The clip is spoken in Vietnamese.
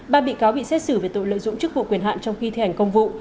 ba bị cáo bị xét xử về tội lợi dụng chức vụ quyền hạn trong khi thi hành công vụ